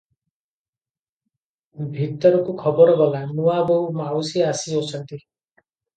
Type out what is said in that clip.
ଭିତରକୁ ଖବର ଗଲା, ନୂଆବୋହୂ ମାଉସୀ ଆସିଅଛନ୍ତି ।